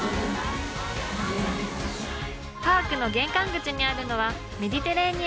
パークの玄関口にあるのは。